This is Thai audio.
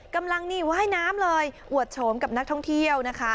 กำลังนี่ว่ายน้ำเลยอวดโฉมกับนักท่องเที่ยวนะคะ